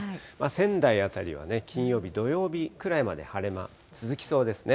仙台あたりは金曜日、土曜日くらいまで晴れ間、続きそうですね。